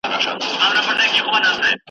د کندهار ولايت څخه د ويښ زلميانو